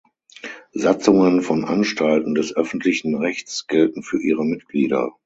Satzungen von Anstalten des öffentlichen Rechts gelten für ihre Mitglieder.